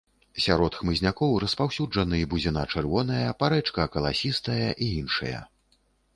Сярод хмызнякоў распаўсюджаны бузіна чырвоная, парэчка каласістая і іншыя.